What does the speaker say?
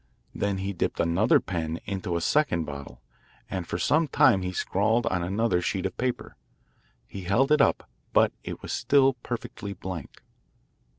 Then he dipped another pen into a second bottle, and for some time he scrawled on another sheet of paper. He held it up, but it was still perfectly blank.